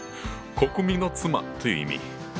「国民の妻」という意味。